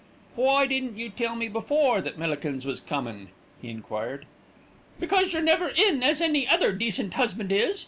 "Why didn't you tell me before that Millikins was comin'?" he enquired. "Because you're never in as any other decent husband is."